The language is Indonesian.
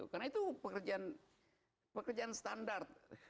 karena itu pekerjaan standar